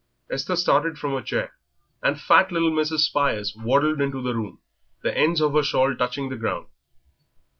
Esther started up from her chair, and fat little Mrs. Spires waddled into the room, the ends of her shawl touching the ground.